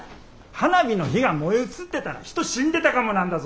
花火の火が燃え移ってたら人死んでたかもなんだぞ！